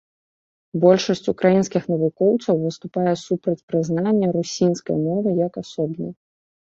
Большасць украінскіх навукоўцаў выступае супраць прызнання русінскай мовы як асобнай.